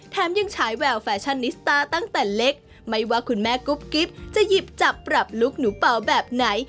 ยังฉายแววแฟชั่นนิสตาร์ตั้งแต่เล็กไม่ว่าคุณแม่กุ๊บกิ๊บจะหยิบจับปรับลุคหนูเป่าแบบไหน